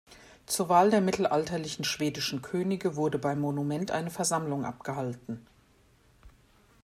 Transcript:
Zur Wahl der mittelalterlichen schwedischen Könige wurde beim Monument eine Versammlung abgehalten.